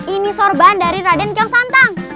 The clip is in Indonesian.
ini sorban dari raden kios santang